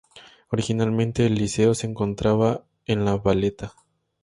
Originalmente, el liceo se encontraba en La Valeta.